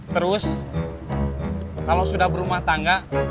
terus kalau sudah berumah tangga